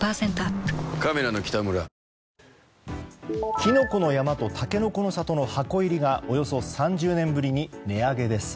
きのこの山とたけのこの里の箱入りがおよそ３０年ぶりに値上げです。